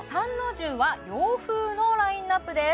重は洋風のラインナップです